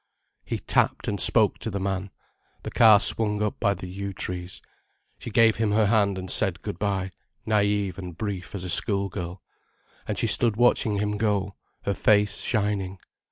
He tapped and spoke to the man. The car swung up by the yew trees. She gave him her hand and said good bye, naïve and brief as a schoolgirl. And she stood watching him go, her face shining.